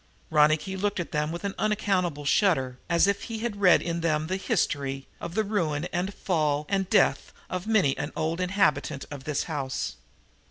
Ronicky looked at them with an unaccountable shudder, as if he read in them the history of the ruin and fall and death of many an old inhabitant of this house.